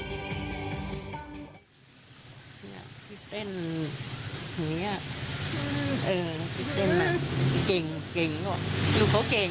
เออคิดเต้นเก่งลูกเขาเก่ง